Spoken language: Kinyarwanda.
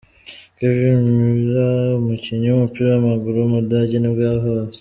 Kevin Müller, umukinnyi w’umupira w’amaguru w’umudage nibwo yavutse.